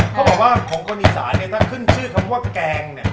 เขาบอกว่าของคนอีสานเนี่ยถ้าขึ้นชื่อคำว่าแกงเนี่ย